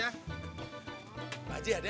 pak haji ada